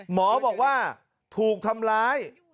หมอบอกว่าถูกทำร้าย